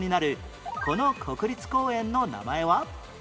この国立公園の名前は？